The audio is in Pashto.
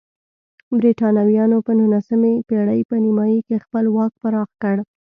برېټانویانو په نولسمې پېړۍ په نیمایي کې خپل واک پراخ کړ.